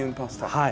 はい。